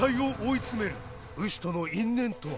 ウシとの因縁とは。